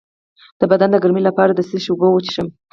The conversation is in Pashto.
د بدن د ګرمۍ لپاره د څه شي اوبه وڅښم؟